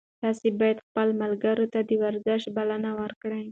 تاسي باید خپلو ملګرو ته د ورزش بلنه ورکړئ.